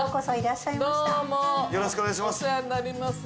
よろしくお願いします。